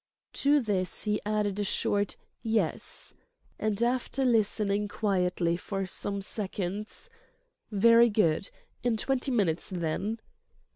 To this he added a short "Yes," and after listening quietly for some seconds, "Very good—in twenty minutes, then."